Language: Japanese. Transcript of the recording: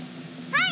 はい！